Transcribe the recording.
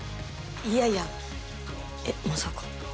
いやいやえっまさか。